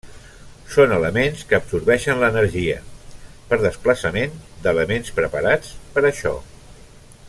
Són elements que absorbeixen l'energia per desplaçament d'elements preparats per a això.